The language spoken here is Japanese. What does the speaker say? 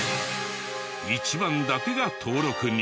一番だけが登録に。